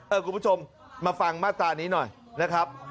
คุณผู้ชมมาฟังมาตรานี้หน่อยนะครับ